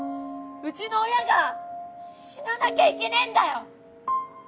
うちの親が死ななきゃいけねえんだよ！